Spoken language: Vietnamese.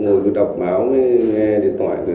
ngồi đọc báo nghe điện thoại